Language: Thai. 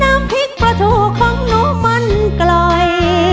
น้ำผิงประถูของหนูมันกล่อย